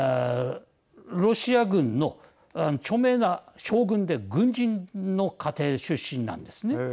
ロシア軍の著名な将軍で軍人の家庭出身なんですね。